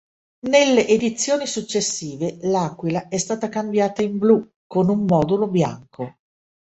Nelle edizioni successive l'Aquila è stata cambiata in blu con un modulo bianco.